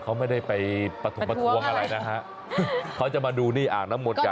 เขาไม่ได้ไปปฐมประท้วงอะไรนะฮะเขาจะมาดูนี่อ่างน้ำมนต์กัน